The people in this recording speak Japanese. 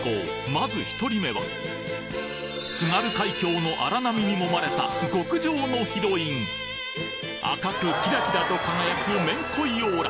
まず１人目は津軽海峡の荒波にもまれた赤くキラキラと輝くめんこいオーラ